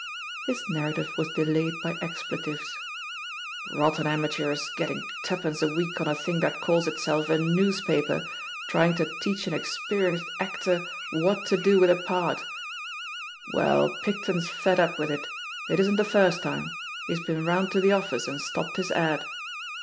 His narrative was delayed by expletives. "Rotten amateurs getting two* pence a week on a thing that caUs itself a 'news paper,' trying to teach an experienced actor what im anaOS POSITION OF PEGGY HARPER lo do with a parti ««. Well, Picton's fed up frith it — ^it isn't the first time — ^he's been round to the office and stopped his ad.